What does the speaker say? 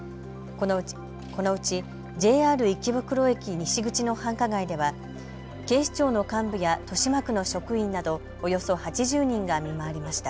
このうちＪＲ池袋駅西口の繁華街では警視庁の幹部や豊島区の職員などおよそ８０人が見回りました。